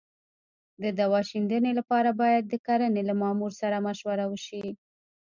د دوا شیندنې لپاره باید د کرنې له مامور سره مشوره وشي.